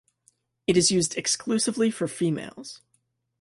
It is used exclusively for females.